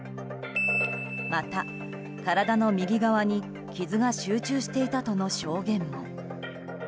また、体の右側に傷が集中していたとの証言も。